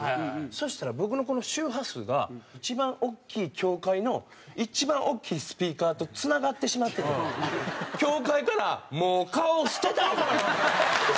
そうしたら僕のこの周波数が一番大きい教会の一番大きいスピーカーとつながってしまってて教会から「もう顔捨てたろうかな！」。